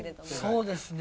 そうですね。